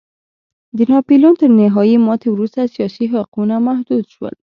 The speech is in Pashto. د ناپلیون تر نهايي ماتې وروسته سیاسي حقونه محدود شول.